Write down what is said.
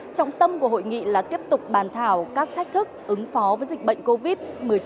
trọng tâm của hội nghị là tiếp tục bàn thảo các thách thức ứng phó với dịch bệnh covid một mươi chín